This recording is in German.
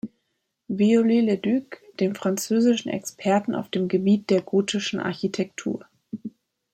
Viollet-le-Duc, dem französischen Experten auf dem Gebiet der gotischen Architektur.